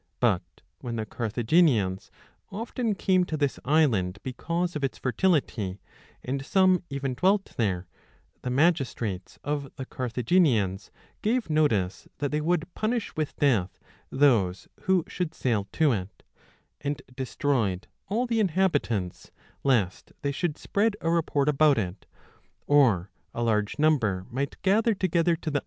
But, when the Carthaginians often 837* came to this island because of its fertility, and some even dwelt there, the magistrates of the Carthaginians gave notice that they would punish with death those who should sail to it, and destroyed all the inhabitants, lest they should 5 thus o (frcMTiv tivai SUK/JVOI/ diro\idovfji.